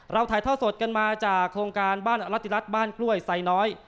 ถ่ายท่อสดกันมาจากโครงการบ้านอรติรัฐบ้านกล้วยไซน้อย